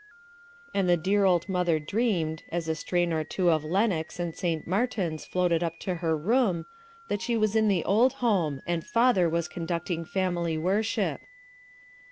And the dear old mother dreamed, as a strain or two of Lenox and St. Martin's floated up to her room, that she was in the old home, and "father" was conducting family worship.